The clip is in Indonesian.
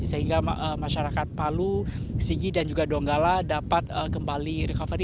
sehingga masyarakat palu sigi dan juga donggala dapat kembali recovery